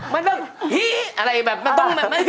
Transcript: มันต้องหิ่อะไรแบบนั้นต้องมาหิ่